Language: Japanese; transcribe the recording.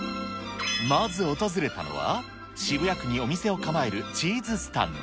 まず訪れたのは、渋谷区にお店を構えるチーズスタンド。